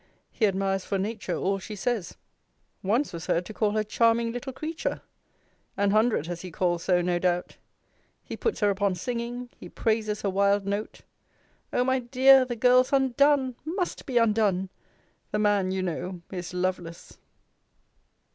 He admires for nature all she says. Once was heard to call her charming little creature! An hundred has he called so no doubt. He puts her upon singing. He praises her wild note O my dear, the girl's undone! must be undone! The man, you know, is LOVELACE.